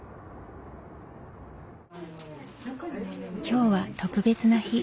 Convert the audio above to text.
今日は特別な日。